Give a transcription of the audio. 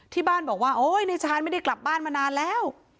ที่บ้านบอกว่าโอ๊ยในชาญไม่ได้กลับบ้านมานานแล้ว